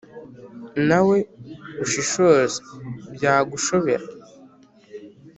Nawe ushishoje byagushobera